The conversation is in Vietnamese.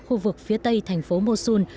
khu vực phía tây thành phố mosul